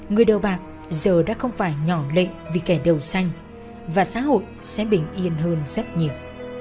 người đầu bạc giờ đã không phải nhỏ lệ vì kẻ đầu xanh và xã hội sẽ bình yên hơn rất nhiều